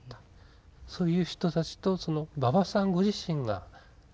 そういう人たちと馬場さんご自身が。